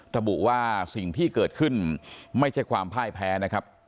ระบุว่าสิ่งที่เกิดขึ้นไม่ใช่ความพ่ายแพ้นะครับ